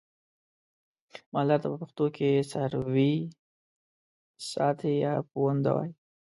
مالدار ته په پښتو کې څارويساتی یا پوونده وایي.